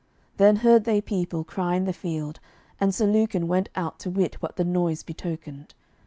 Then heard they people cry in the field, and Sir Lucan went out to wit what the noise betokened.